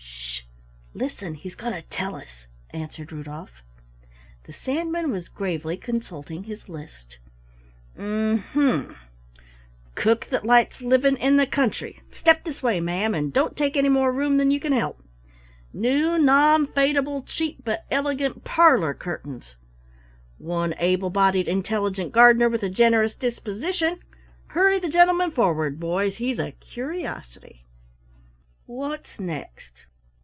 "Sh! Listen, he's going to tell us," answered Rudolf. The Sandman was gravely consulting his list. "M hm Cook that likes living in the Country! Step this way, ma'am, and don't take any more room than you can help. New Non fadable Cheap but Elegant Parlor Curtains One Able bodied Intelligent Gardener, with a Generous Disposition hurry the gentleman forward, boys, he's a curiosity! What's next?